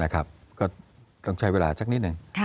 ก็ต้องใช้เวลาสักนิดหนึ่ง